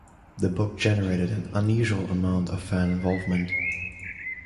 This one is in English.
The book generated an unusual amount of fan involvement.